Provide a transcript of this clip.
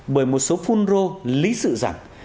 bởi một số phun rô lý sự rằng